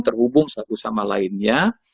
terhubung satu sama lainnya